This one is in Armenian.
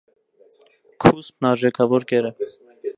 Քուսպն արժեքավոր կեր է։